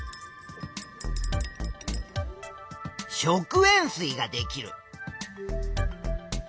「食塩水」ができる。